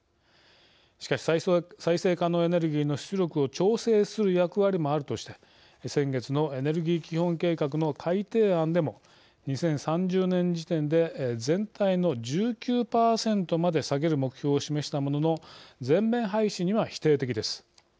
しかし再生可能エネルギーの出力を調整する役割もあるとして先月のエネルギー基本計画の改定案でも２０３０年時点で全体の１９％まで下げる目標を示したものの全面廃止には否定的です。